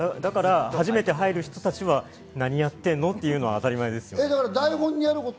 初めて入る人たちは何やってんの？っていうのは当たり前ですよね。